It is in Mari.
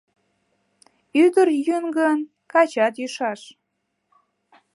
Ӱдыр йӱын гын, качат йӱшаш.